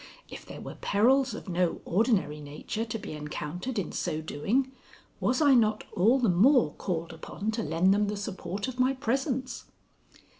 If there were perils of no ordinary nature to be encountered in so doing, was I not all the more called upon to lend them the support of my presence?